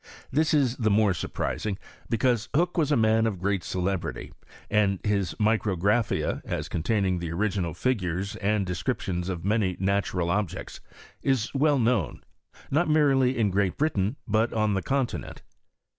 This IB the mare surprising, because Hook was ft initn of i^reat celebrity: and his Micrograpfaia, as contiuninfc tli« ori^Dul figures and detcriptions of muiy naturol objecu, is well known, not merely in Great BriUin, but on the continent.